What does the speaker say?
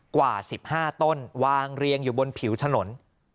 กว่า๑๕ต้นวางเรียงอยู่บนผิวถนน